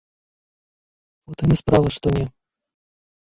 У тым і справа, што не.